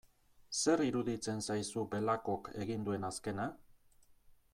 Zer iruditzen zaizu Belakok egin duen azkena?